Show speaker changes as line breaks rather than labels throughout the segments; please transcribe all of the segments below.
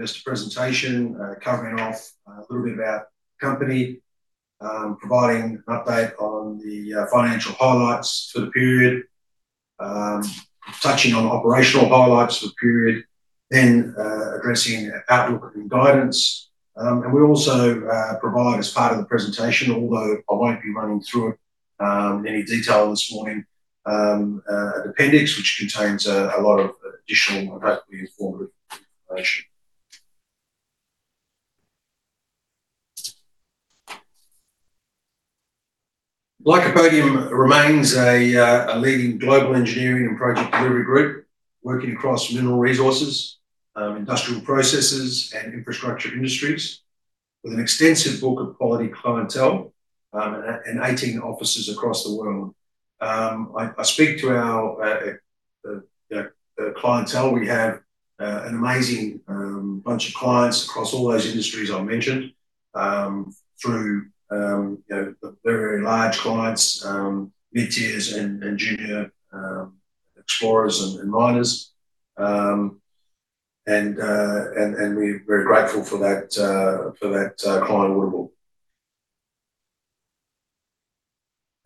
Full investor presentation covering off a little bit about company, providing an update on the financial highlights for the period. Touching on operational highlights for the period, then addressing outlook and guidance. We also provide as part of the presentation, although I won't be running through it in any detail this morning, an appendix, which contains a lot of additional hopefully informative information. Lycopodium remains a leading global engineering and project delivery group, working across mineral resources, industrial processes and infrastructure industries, with an extensive book of quality clientele and 18 offices across the world. I speak to our clientele. We have an amazing bunch of clients across all those industries I mentioned, through you know, very large clients, mid-tiers and junior explorers and miners. And we're very grateful for that client order book.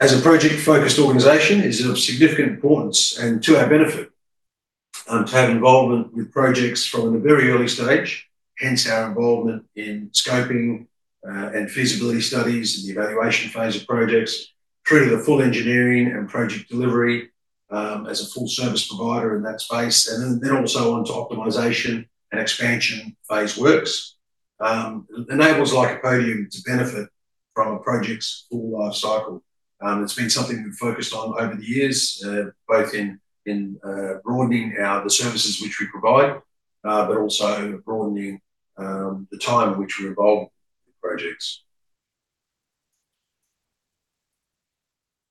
As a project-focused organization, it's of significant importance and to our benefit to have involvement with projects from the very early stage, hence our involvement in scoping and feasibility studies and the evaluation phase of projects. Through to the full engineering and project delivery, as a full service provider in that space, and then also on to optimization and expansion phase works. Enables Lycopodium to benefit from a project's full life cycle. It's been something we've focused on over the years, both in broadening our the services which we provide, but also broadening the time which we're involved in projects.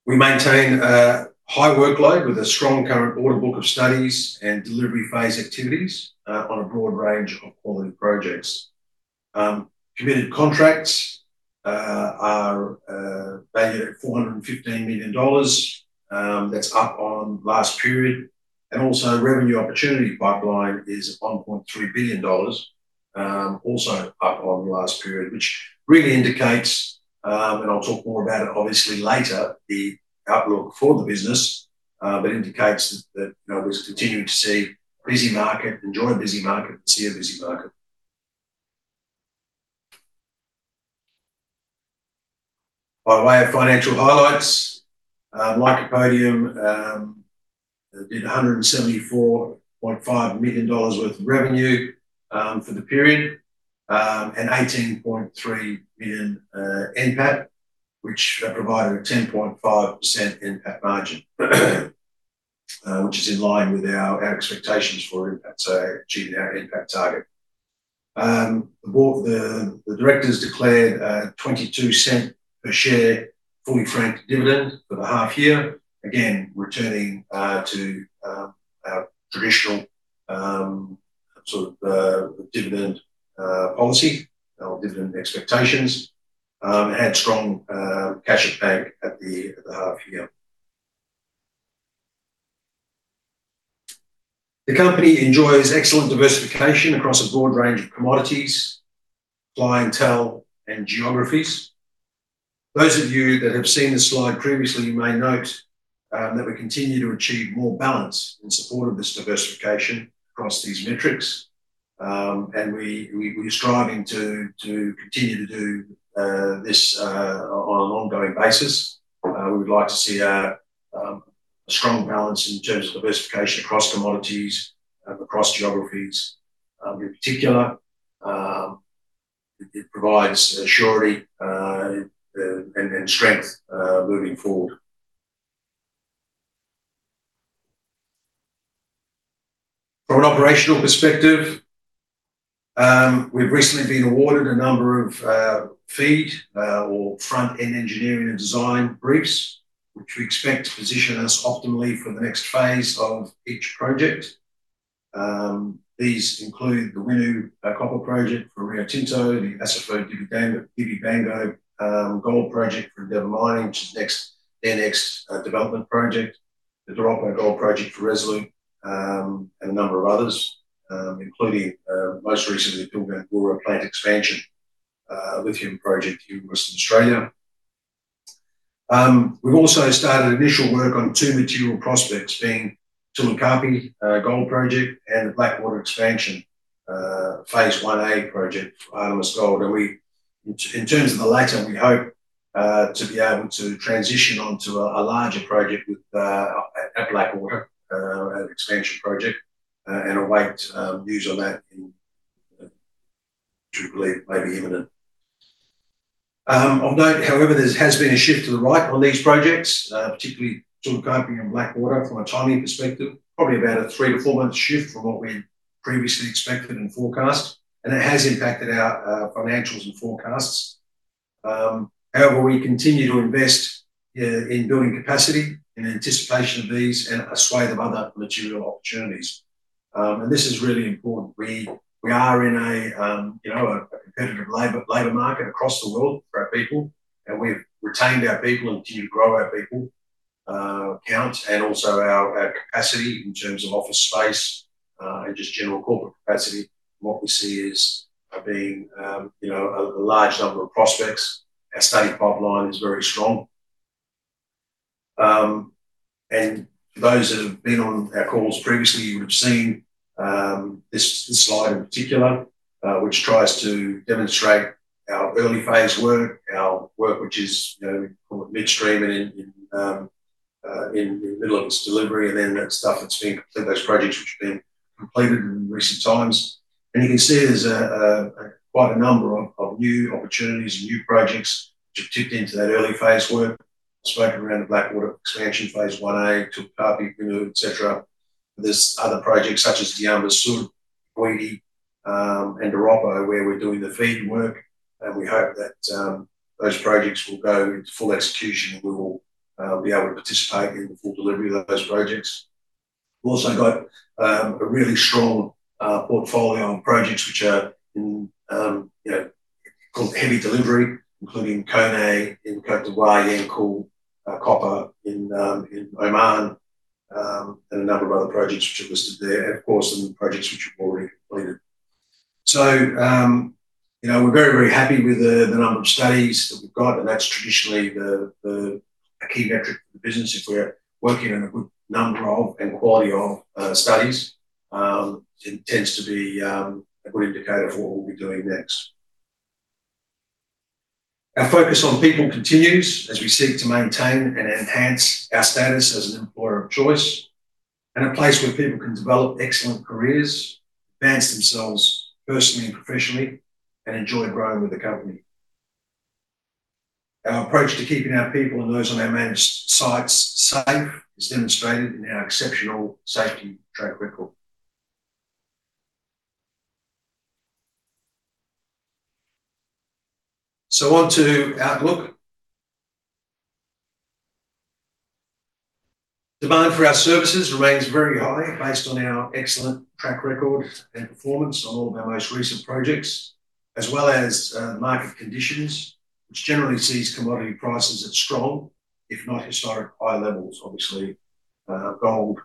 We maintain a high workload with a strong current order book of studies and delivery phase activities, on a broad range of quality projects. Committed contracts are valued at 415 million dollars. That's up on last period, and also revenue opportunity pipeline is 1.3 billion dollars, also up on the last period, which really indicates, and I'll talk more about it obviously later, the outlook for the business, but indicates that, you know, we're continuing to see a busy market, enjoy a busy market and see a busy market. By way of financial highlights, Lycopodium did AUD 174.5 million worth of revenue for the period, and AUD 18.3 million NPAT, which provided a 10.5% NPAT margin, which is in line with our expectations for NPAT, so achieving our NPAT target. The board, the directors declared a 0.22 per share fully franked dividend for the half year. Again, returning to our traditional sort of dividend policy, our dividend expectations had strong cash flow back at the half year. The company enjoys excellent diversification across a broad range of commodities, clientele, and geographies. Those of you that have seen this slide previously, you may note that we continue to achieve more balance in support of this diversification across these metrics. And we, we're striving to continue to do this on an ongoing basis. We would like to see a strong balance in terms of diversification across commodities, across geographies. In particular, it provides surety and strength moving forward. From an operational perspective, we've recently been awarded a number of FEED or front-end engineering and design briefs, which we expect to position us optimally for the next phase of each project. These include the Winu Copper Project for Rio Tinto, the Asutlo Divibango Gold Project for Devon Mine, which is their next development project, the Doropo Gold Project for Resolute, and a number of others, including most recently, Pilgangoora plant expansion lithium project here in Western Australia. We've also started initial work on two material prospects, being Tulu Kapi Gold Project and the Blackwater Expansion Phase 1A project for Artemis Gold. In terms of the latter, we hope to be able to transition on to a larger project with at Blackwater an expansion project and await news on that, which we believe may be imminent. Of note, however, there has been a shift to the right on these projects, particularly Tulu Kapi and Blackwater from a timing perspective, probably about a three to four month shift from what we previously expected and forecast, and it has impacted our financials and forecasts. However, we continue to invest in building capacity in anticipation of these and a swathe of other material opportunities. And this is really important. We are in a, you know, a competitive labor market across the world for our people, and we've retained our people and continue to grow our people count and also our capacity in terms of office space and just general corporate capacity. What we see is being you know, a large number of prospects. Our study pipeline is very strong. And those that have been on our calls previously, you would have seen this slide in particular, which tries to demonstrate our early phase work. Our work, which is, you know, we call it midstream and in the middle of its delivery, and then that stuff that's being completed, those projects which have been completed in recent times. You can see there's quite a number of new opportunities and new projects which have tipped into that early phase work. I spoke around the Blackwater Expansion Phase 1A, Tulu Kapi, et cetera. There's other projects such as Diamba Sud, Bweede, and Doropo, where we're doing the FEED work, and we hope that those projects will go to full execution, and we will be able to participate in the full delivery of those projects. We've also got a really strong portfolio of projects which are in, you know, called heavy delivery, including Koné, in Côte d'Ivoire, Yanqul copper in Oman, and a number of other projects which are listed there, and of course, some projects which we've already completed. So, you know, we're very, very happy with the number of studies that we've got, and that's traditionally a key metric for the business. If we're working on a good number of and quality of studies, it tends to be a good indicator of what we'll be doing next. Our focus on people continues as we seek to maintain and enhance our status as an employer of choice and a place where people can develop excellent careers, advance themselves personally and professionally, and enjoy growing with the company. Our approach to keeping our people and those on our managed sites safe is demonstrated in our exceptional safety track record. So on to outlook. Demand for our services remains very high, based on our excellent track record and performance on all of our most recent projects, as well as market conditions, which generally sees commodity prices at strong, if not historic, high levels. Obviously, gold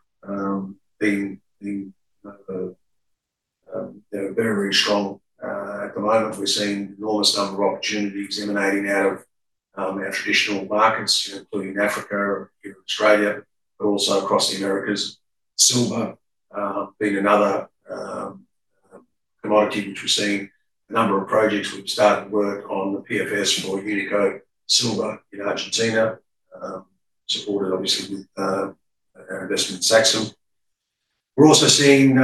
being very, very strong. At the moment, we're seeing an enormous number of opportunities emanating out of our traditional markets, including Africa and Australia, but also across the Americas. Silver being another commodity, which we're seeing a number of projects which we've started work on the PFS for Unico Silver in Argentina, supported obviously with our investment in Saxum. We're also seeing,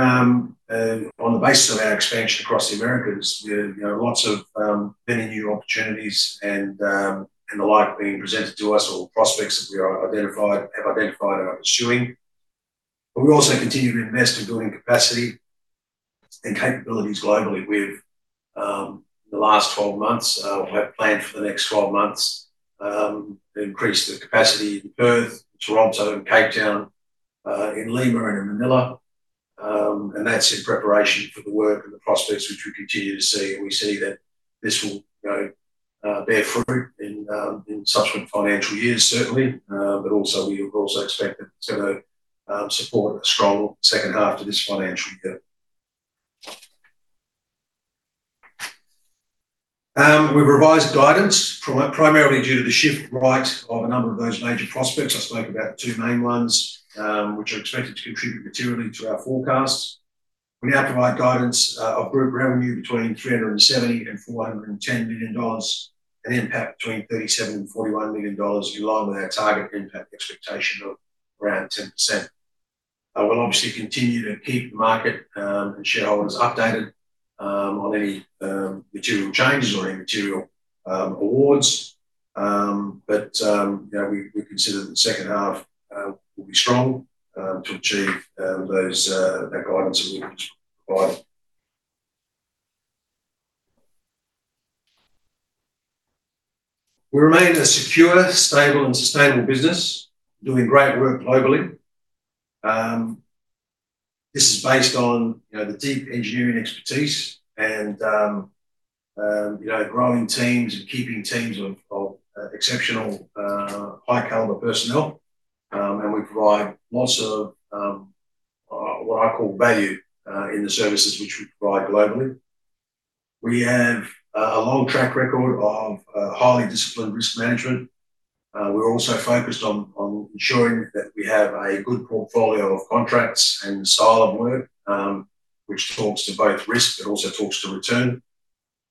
on the basis of our expansion across the Americas, we have, you know, lots of, many new opportunities and, and the like being presented to us or prospects that we have identified and are pursuing. But we also continue to invest in building capacity and capabilities globally. We've in the last 12 months, we have planned for the next 12 months, to increase the capacity in Perth, Toronto, and Cape Town, in Lima and in Manila. And that's in preparation for the work and the prospects which we continue to see, and we see that this will, you know, bear fruit in, in subsequent financial years, certainly. But also, we also expect that it's going to, support a strong second half to this financial year. We've revised guidance primarily due to the shift right of a number of those major prospects. I spoke about the two main ones, which are expected to contribute materially to our forecasts. We now provide guidance of group revenue between 370 million and 410 million dollars, an impact between 37 million and 41 million dollars, in line with our target impact expectation of around 10%. I will obviously continue to keep the market and shareholders updated on any material changes or any material awards. But, you know, we consider that the second half will be strong to achieve that guidance that we've provided. We remain a secure, stable and sustainable business, doing great work globally. This is based on, you know, the deep engineering expertise and, you know, growing teams and keeping teams of exceptional, high caliber personnel. And we provide lots of, what I call value, in the services which we provide globally. We have a long track record of highly disciplined risk management. We're also focused on ensuring that we have a good portfolio of contracts and style of work, which talks to both risk, but also talks to return.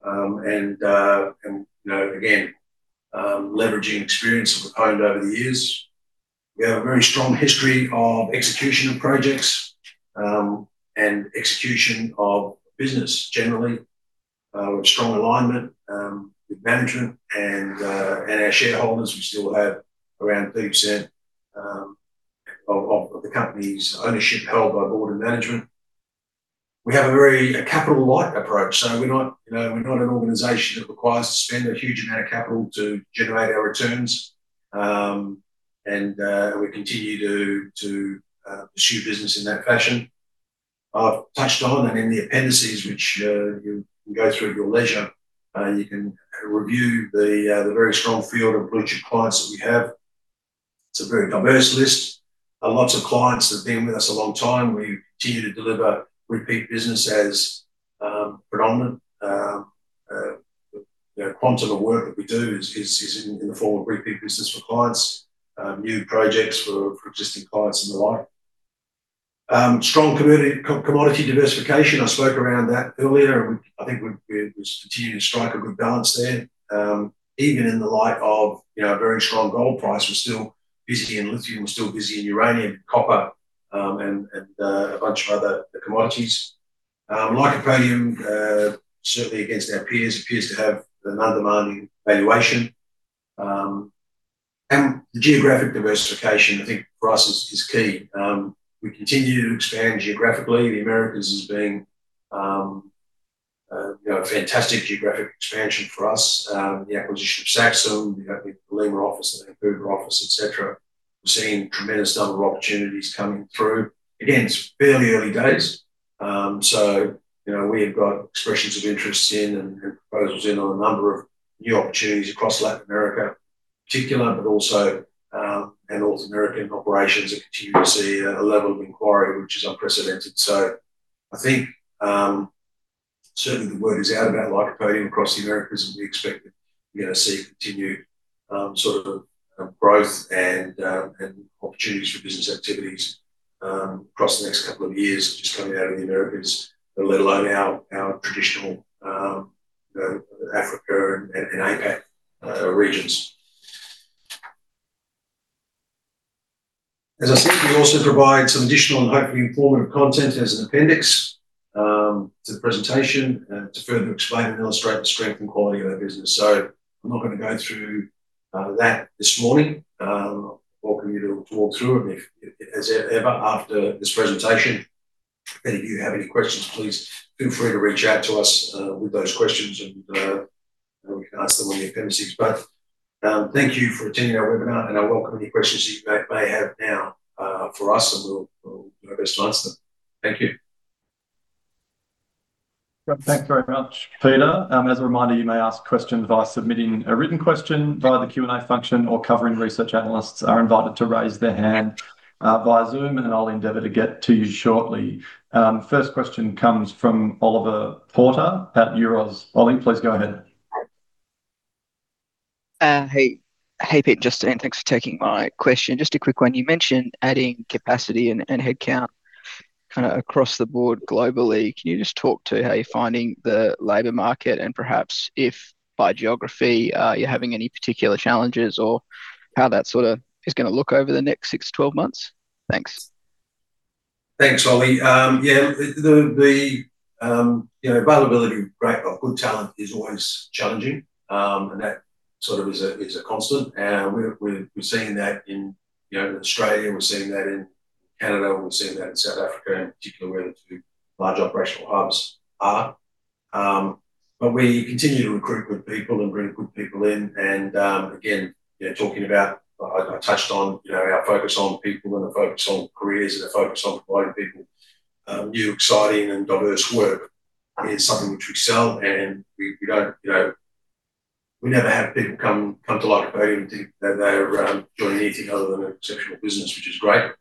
And, you know, again, leveraging experience that we've honed over the years. We have a very strong history of execution of projects, and execution of business generally, with strong alignment, with management and our shareholders. We still have around 30%, of the company's ownership held by board and management. We have a very capital-light approach, so we're not, you know, we're not an organization that requires to spend a huge amount of capital to generate our returns. And we continue to pursue business in that fashion. I've touched on and in the appendices, which you can go through at your leisure, and you can review the very strong field of blue-chip clients that we have. It's a very diverse list, and lots of clients have been with us a long time. We continue to deliver repeat business as predominant. The quantum of work that we do is in the form of repeat business for clients, new projects for existing clients and the like. Strong commodity diversification. I spoke around that earlier, and I think we continue to strike a good balance there. Even in the light of, you know, a very strong gold price, we're still busy in lithium, we're still busy in uranium, copper, and a bunch of other commodities. Lycopodium certainly against our peers, appears to have an undemanding valuation. And the geographic diversification, I think, for us is key. We continue to expand geographically. The Americas as being, you know, a fantastic geographic expansion for us. The acquisition of Saxum, the Lima office and the Boulder office, et cetera. We're seeing a tremendous number of opportunities coming through. Again, it's fairly early days, so, you know, we have got expressions of interest in and proposals in on a number of new opportunities across Latin America in particular, but also, and North American operations are continuing to see a level of inquiry which is unprecedented. So I think, certainly the word is out about Lycopodium across the Americas, and we expect to, you know, see continued, sort of, growth and, and opportunities for business activities, across the next couple of years just coming out of the Americas, let alone our, our traditional, you know, Africa and, and APAC, regions. As I said, we also provide some additional and hopefully informative content as an appendix, to the presentation, and to further explain and illustrate the strength and quality of our business. I'm not going to go through that this morning. I welcome you to walk through them if, as ever, after this presentation, any of you have any questions, please feel free to reach out to us with those questions and we can ask them on the appendices. Thank you for attending our webinar, and I welcome any questions you may have now for us, and we'll do our best to answer them. Thank you.
Thanks very much, Peter. As a reminder, you may ask questions by submitting a written question via the Q&A function, or covering research analysts are invited to raise their hand via Zoom, and I'll endeavor to get to you shortly. First question comes from Oliver Porter at Euroz. Ollie, please go ahead.
Hey. Hey, Pete, just thanks for taking my question. Just a quick one. You mentioned adding capacity and headcount kind of across the board globally. Can you just talk to how you're finding the labor market, and perhaps if by geography, you're having any particular challenges or how that sort of is gonna look over the next six to 12 months? Thanks.
Thanks, Ollie. Yeah, the availability of good talent is always challenging, and that sort of is a constant, and we're seeing that in, you know, Australia, we're seeing that in Canada, and we're seeing that in South Africa, in particular, where the two large operational hubs are. But we continue to recruit good people and bring good people in, and again, yeah, talking about, I touched on, you know, our focus on people and a focus on careers and a focus on providing people new, exciting and diverse work is something which we sell, and we don't, you know, we never have people come to Lycopodium and think that they're joining anything other than an exceptional business, which is great.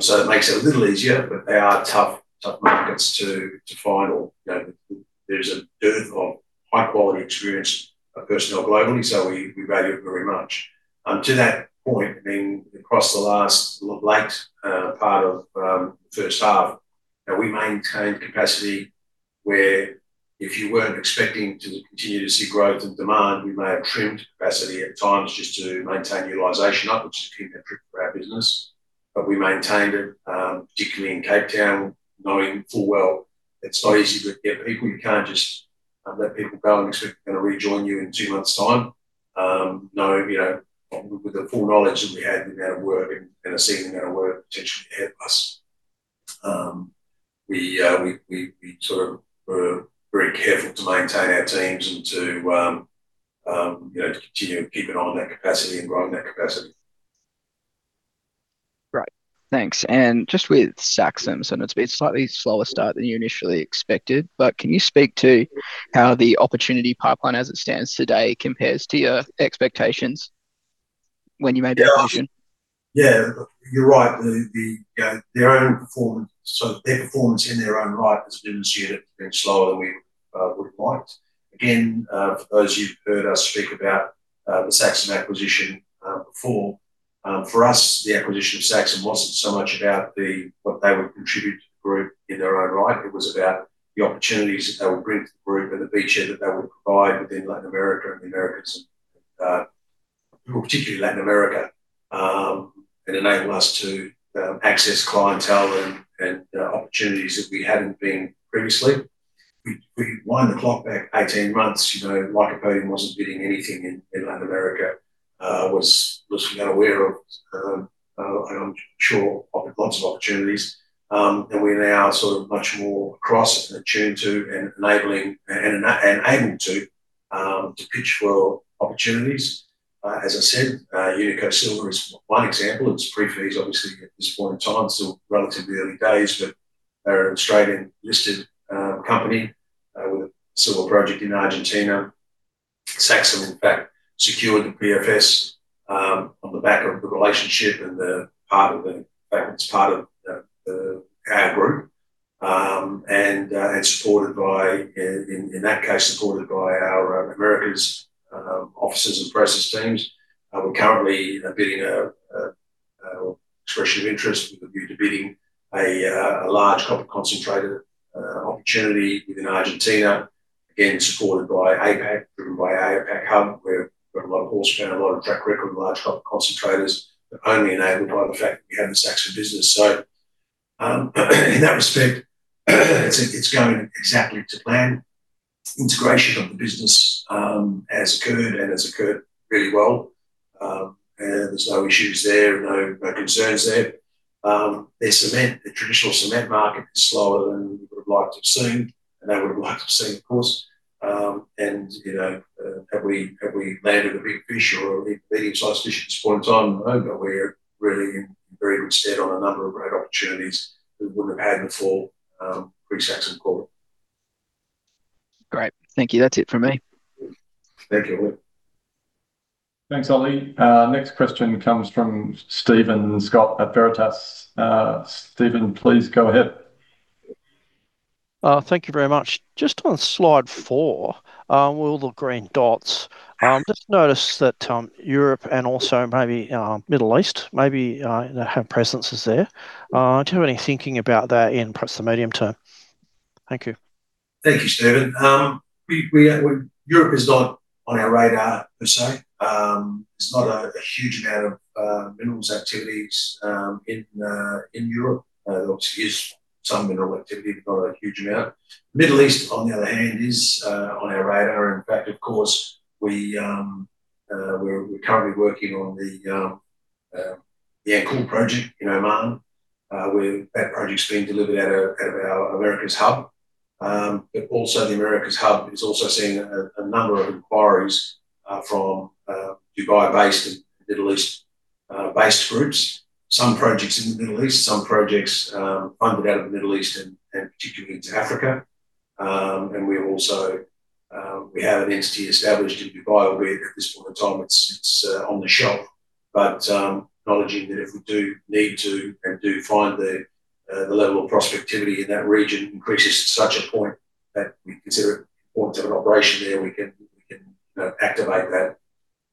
So it makes it a little easier, but they are tough, tough markets to find, you know, there's a dearth of high-quality, experienced personnel globally, so we value it very much. To that point, I mean, across the latter part of the first half, that we maintained capacity where if you weren't expecting to continue to see growth and demand, we may have trimmed capacity at times just to maintain utilization up, which is pretty metric for our business. But we maintained it, particularly in Cape Town, knowing full well it's not easy to get people. You can't just let people go and expect them to rejoin you in two months' time. You know, with the full knowledge that we had with our work and the season, our work potentially ahead of us, we sort of were very careful to maintain our teams and to, you know, to continue to keep an eye on that capacity and growing that capacity.
Right. Thanks. And just with Saxum, so it's been a slightly slower start than you initially expected, but can you speak to how the opportunity pipeline as it stands today compares to your expectations when you made the acquisition?
Yeah, you're right. Their own performance, so their performance in their own right has demonstrated it's been slower than we would have liked. Again, for those you've heard us speak about the Saxum acquisition before, for us, the acquisition of Saxum wasn't so much about what they would contribute to the group in their own right. It was about the opportunities that they would bring to the group and the beachhead that they would provide within Latin America and the Americas, more particularly Latin America. It enabled us to access clientele and opportunities that we hadn't been previously. We wind the clock back 18 months, you know, Lycopodium wasn't bidding anything in Latin America, was unaware of and I'm sure lots of opportunities. And we're now sort of much more across and attuned to and enabling and able to pitch for opportunities. As I said, Unico Silver is one example. It's pre-phase, obviously, at this point in time, still relatively early days, but they're an Australian-listed company with a silver project in Argentina. Saxum, in fact, secured the PFS on the back of the relationship and the fact that it's part of our group. And supported by, in that case, our Americas offices and process teams. We're currently bidding an expression of interest with a view to bidding a large copper concentrator opportunity within Argentina. Again, supported by APAC, driven by our APAC hub, where we've got a lot of horsepower and a lot of track record in large copper concentrators, but only enabled by the fact that we have the Saxum business. So, in that respect, it's, it's going exactly to plan. Integration of the business has occurred and has occurred really well. And there's no issues there, no, no concerns there. Their cement, the traditional cement market is slower than we would have liked to have seen, and they would have liked to have seen, of course. And, you know, have we, have we landed a big fish or a medium-sized fish at this point in time? No, but we're really in very good stead on a number of great opportunities we wouldn't have had before, pre-Saxum Corp.
Great. Thank you. That's it from me.
Thank you.
Thanks, Ollie. Next question comes from Steven Scott at Veritas. Steven, please go ahead.
Thank you very much. Just on slide, with all the green dots, just noticed that, Europe and also maybe, Middle East, maybe, have presences there. Do you have any thinking about that in perhaps the medium term? Thank you.
Thank you, Steven. Europe is not on our radar per se. There's not a huge amount of mineral activities in Europe. There obviously is some mineral activity, but not a huge amount. Middle East, on the other hand, is on our radar. In fact, of course, we're currently working on the Yanqul project in Oman, where that project's being delivered out of our Americas hub. But also the Americas hub is seeing a number of inquiries from Dubai-based and Middle East-based groups. Some projects in the Middle East, some projects funded out of the Middle East and particularly into Africa. And we also, we have an entity established in Dubai, where at this point in time, it's on the shelf. But, acknowledging that if we do need to and do find the level of prospectivity in that region increases to such a point that we consider it important to have an operation there, we can, you know, activate that.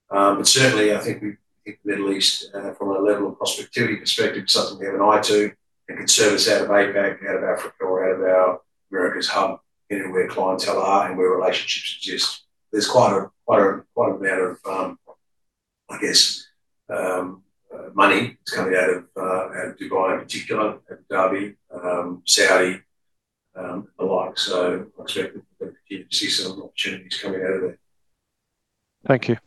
But certainly, I think we, the Middle East, from a level of prospectivity perspective, something we have an eye to, and could serve us out of APAC and out of Africa or out of our Americas hub, you know, where clientele are and where relationships exist. There's quite a, quite an amount of, I guess, money that's coming out of out of Dubai, in particular, Abu Dhabi, Saudi, alike. I expect to keep seeing some opportunities coming out of there.
Thank you.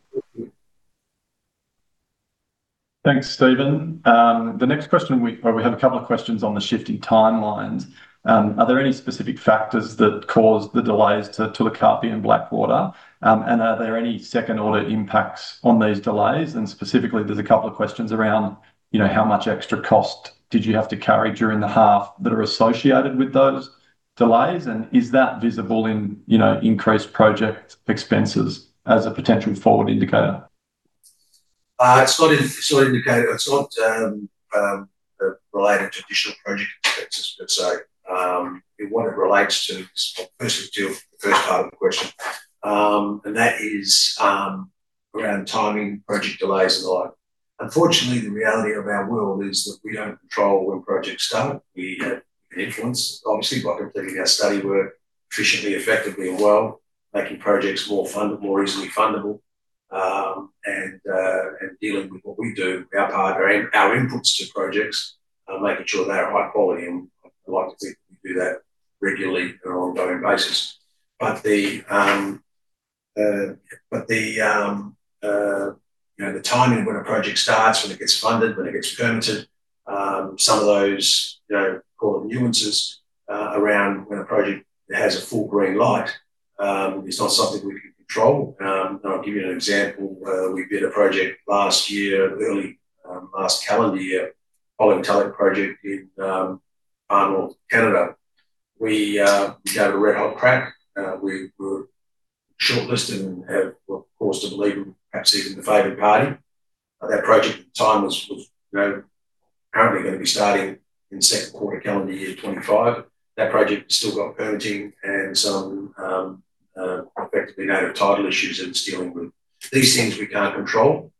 Thanks, Steven. The next question, well, we have a couple of questions on the shifting timelines. Are there any specific factors that caused the delays to the Tulu Kapi and Blackwater? And are there any second-order impacts on these delays? And specifically, there's a couple of questions around, you know, how much extra cost did you have to carry during the half that are associated with those delays, and is that visible in, you know, increased project expenses as a potential forward indicator?
It's not in, it's not indicated. It's not related to additional project expenses, per se. What it relates to, first of to the first part of the question, and that is, around timing, project delays, and the like. Unfortunately, the reality of our world is that we don't control when projects start. We have influence, obviously, by completing our study work efficiently, effectively, and well, making projects more fundable, more easily fundable. And, and dealing with what we do, our part, our inputs to projects, and making sure they are high quality, and I like to think we do that regularly and on an ongoing basis. But the, you know, the timing of when a project starts, when it gets funded, when it gets permitted, some of those, you know, call them nuances, around when a project has a full green light, is not something we can control. And I'll give you an example. We bid a project last year, early, last calendar year, a project in Arnold, Canada. We gave it a red-hot crack. We were shortlisted and have cause to believe perhaps even the favored party. But that project time was, you know, apparently going to be starting in second quarter, calendar year 2025. That project still got permitting and some effectively native title issues that it's dealing with. These things we can't control.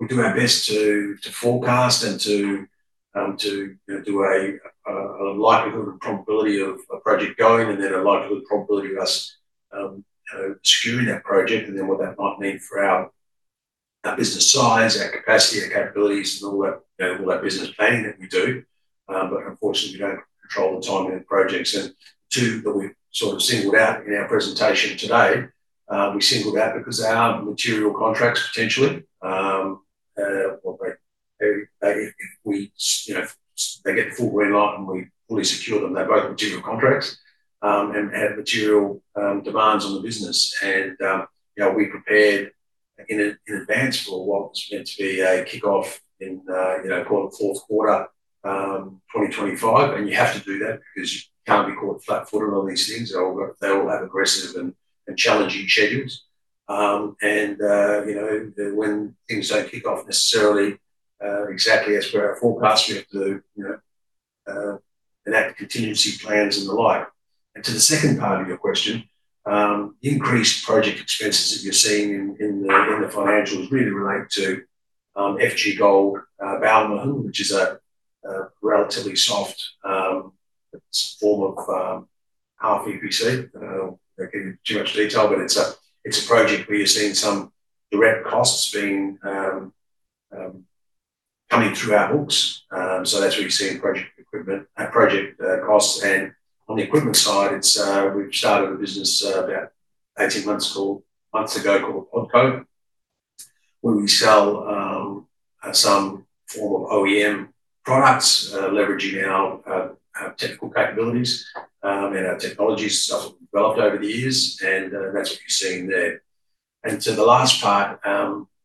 We do our best to forecast and to do a likelihood and probability of a project going, and then a likelihood and probability of us, you know, skewing that project and then what that might mean for our business size, our capacity, our capabilities, and all that, you know, all that business planning that we do. But unfortunately, we don't control the timing of projects. And two that we've sort of singled out in our presentation today, we singled out because they are material contracts, potentially. Well, they, we, you know, they get the full green light, and we fully secure them. They're both material contracts, and have material demands on the business. You know, we prepared in advance for what was meant to be a kickoff in, you know, call it fourth quarter 2025, and you have to do that because you can't be caught flat-footed on these things. They all have aggressive and challenging schedules. You know, when things don't kick off necessarily exactly as per our forecast, we have to, you know, adapt contingency plans and the like. And to the second part of your question, increased project expenses that you're seeing in the financials really relate to FG Gold, Baomahun, which is a relatively soft form of half EPC. I don't know too much detail, but it's a project where you're seeing some direct costs being coming through our books. So that's where you're seeing project equipment, project costs. And on the equipment side, it's we've started a business about 18 months ago called Podco, where we sell some form of OEM products, leveraging our technical capabilities and our technology stuff developed over the years, and that's what you're seeing there. And to the last part,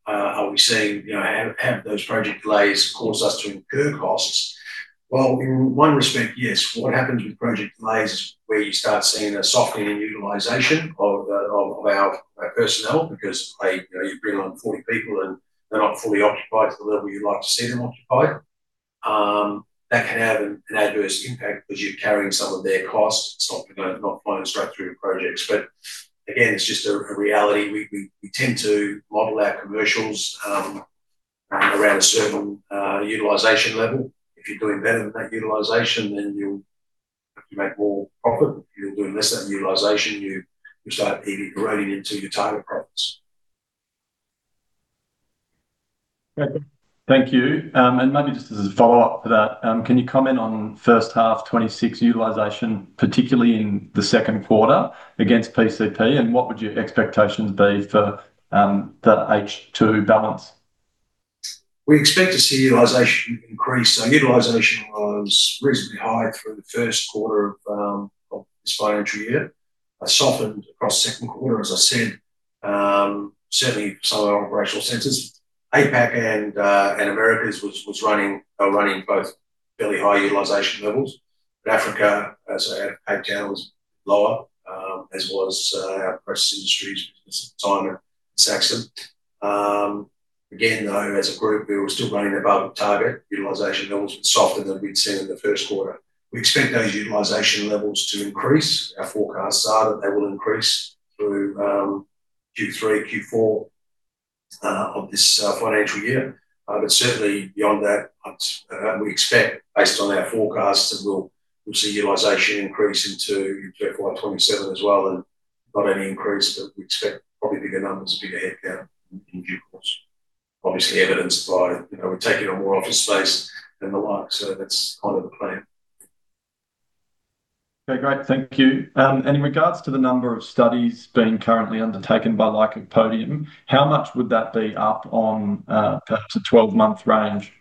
are we seeing, you know, have those project delays caused us to incur costs? Well, in one respect, yes. What happens with project delays is where you start seeing a softening in utilization of our personnel, because you know, you bring on 40 people, and they're not fully occupied to the level you'd like to see them occupied. That can have an adverse impact because you're carrying some of their costs; it's not going to flow straight through to projects. But again, it's just a reality. We tend to model our commercials around a certain utilization level. If you're doing better than that utilization, then you'll make more profit. If you're doing less than utilization, you start eating, eroding into your target profits.
Thank you. Maybe just as a follow-up to that, can you comment on first half 2026 utilization, particularly in the second quarter against PCP? What would your expectations be for the H2 balance?
We expect to see utilization increase. So utilization was reasonably high through the first quarter of this financial year. It softened across the second quarter, as I said, certainly for some of our operational centers. APAC and Americas were running both fairly high utilization levels, but Africa, as I had mentioned, was lower, as was our process industries business in China and Saxum. Again, though, as a group, we were still running above target. Utilization levels were softer than we'd seen in the first quarter. We expect those utilization levels to increase. Our forecasts are that they will increase through Q3, Q4 of this financial year. But certainly, beyond that, I would expect, based on our forecasts, that we'll see utilization increase into FY 2027 as well, and not only increase, but we expect probably bigger numbers, bigger headcount in due course. Obviously, evidenced by, you know, we're taking on more office space and the like, so that's kind of the plan.
Okay, great. Thank you. And in regards to the number of studies being currently undertaken by Lycopodium, how much would that be up on, perhaps a 12-month range?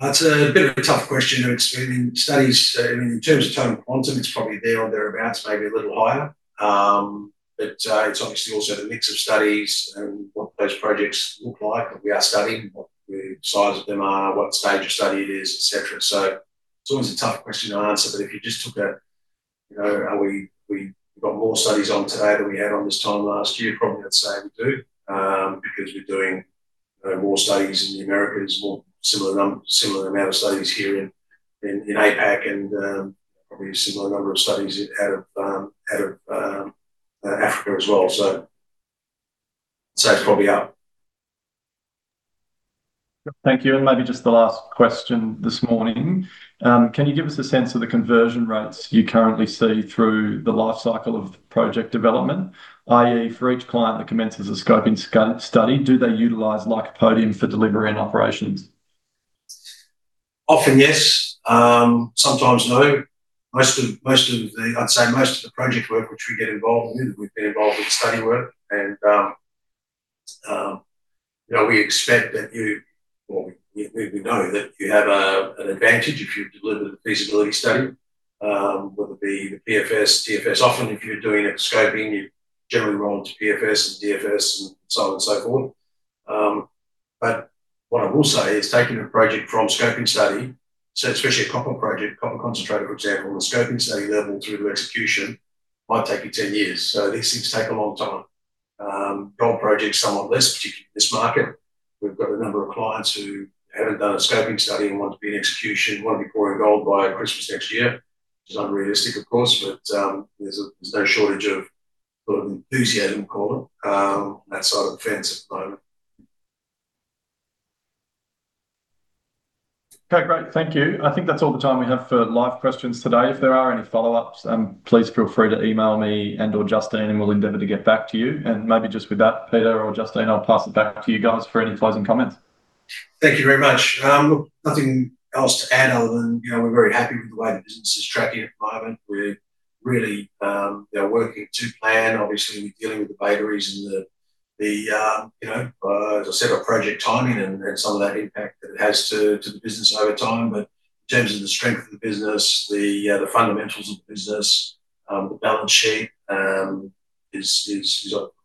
That's a bit of a tough question to explain. In studies, in terms of total quantum, it's probably there or thereabouts, maybe a little higher. But it's obviously also the mix of studies and what those projects look like that we are studying, what the size of them are, what stage of study it is, et cetera. So it's always a tough question to answer, but if you just look at, you know, we've got more studies on today than we had on this time last year, probably I'd say we do, because we're doing more studies in the Americas, more similar number, similar amount of studies here in APAC, and probably a similar number of studies out of Africa as well. So it's probably up.
Thank you. Maybe just the last question this morning. Can you give us a sense of the conversion rates you currently see through the life cycle of project development? I.e., for each client that commences a scoping study, do they utilize Lycopodium for delivery and operations?
Often, yes. Sometimes, no. I'd say, most of the project work which we get involved with, we've been involved with study work and, you know, we expect that you... Well, we know that you have an advantage if you've delivered a feasibility study, whether it be the PFS, DFS. Often, if you're doing a scoping, you generally roll into PFS and DFS and so on and so forth. But what I will say is taking a project from scoping study, so especially a copper project, copper concentrate, for example, the scoping study level through to execution might take you 10 years. So these things take a long time. Gold projects, somewhat less, particularly this market. We've got a number of clients who haven't done a Scoping Study and want to be in execution, want to be pouring gold by Christmas next year. Which is unrealistic, of course, but there's no shortage of sort of enthusiasm, call it, that side of the fence at the moment.
Okay, great. Thank you. I think that's all the time we have for live questions today. If there are any follow-ups, please feel free to email me and/or Justine, and we'll endeavor to get back to you. Maybe just with that, Peter or Justine, I'll pass it back to you guys for any closing comments.
Thank you very much. Nothing else to add, other than, you know, we're very happy with the way the business is tracking at the moment. We're really, you know, working to plan. Obviously, we're dealing with the batteries and the separate project timing and some of that impact that it has to the business over time. But in terms of the strength of the business, the fundamentals of the business, the balance sheet, of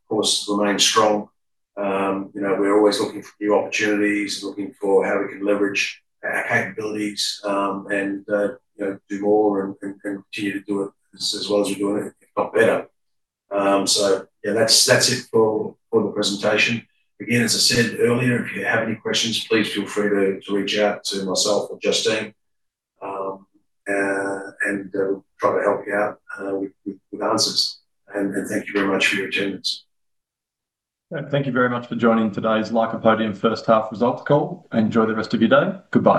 course, remains strong. You know, we're always looking for new opportunities, looking for how we can leverage our capabilities, and you know, do more and continue to do it as well as we're doing it, if not better. So yeah, that's it for the presentation. Again, as I said earlier, if you have any questions, please feel free to reach out to myself or Justine, and we'll try to help you out with answers. Thank you very much for your attendance.
Thank you very much for joining today's Lycopodium first half results call. Enjoy the rest of your day. Goodbye.